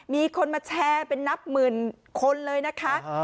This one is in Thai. มีคนมาแชร์เป็นนับหมื่นคนเลยนะคะ